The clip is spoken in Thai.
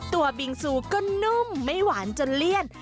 บิงซูก็นุ่มไม่หวานจนเลี่ยน